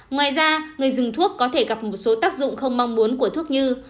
ngoài ra người dùng thuốc có thể gặp một số tác dụng không mong muốn của thuốc như